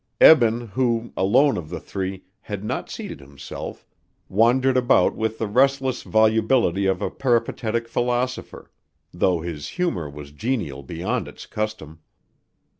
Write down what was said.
Eben who, alone of the three, had not seated himself wandered about with the restless volubility of a peripatetic philosopher, though his humor was genial beyond its custom.